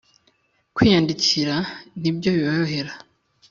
kwiyandikira nibyo biborohera cyane